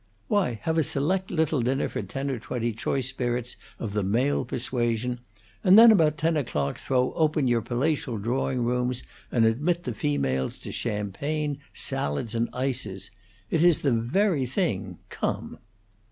"Why, have a select little dinner for ten or twenty choice spirits of the male persuasion, and then, about ten o'clock, throw open your palatial drawing rooms and admit the females to champagne, salads, and ices. It is the very thing! Come!"